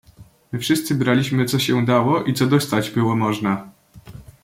"My wszyscy braliśmy co się dało i co dostać było można."